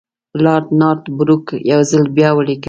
لارډ نارت بروک یو ځل بیا ولیکل.